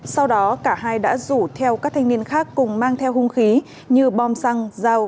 sau đó cả hai đã rủ theo các thanh niên khác cùng mang theo hung khí như bom xăng dao